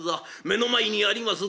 目の前にあります